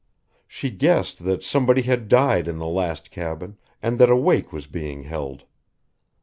She guessed that somebody had died in the last cabin, and that a wake was being held.